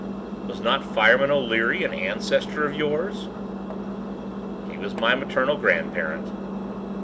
"Was not 'Fireman' O'Leary an ancestor of yours?" "He was my maternal grandparent."